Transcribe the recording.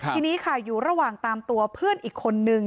ทีนี้ค่ะอยู่ระหว่างตามตัวเพื่อนอีกคนนึง